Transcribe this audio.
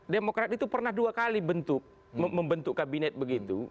demokrat itu pernah dua kali bentuk membentuk kabinet begitu